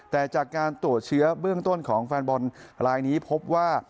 แต่จากการตรวจเชื้อเบื้องต้นของแฟนบอลลายนี้พบว่า